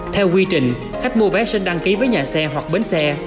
theo quy trình khách mua vé sẽ đăng ký với nhà xe hoặc bến xe